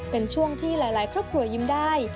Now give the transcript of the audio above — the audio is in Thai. เป็นช่วงที่หลายครอบครัวยิ้มได้